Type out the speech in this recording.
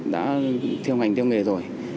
đã theo hành theo nghề rồi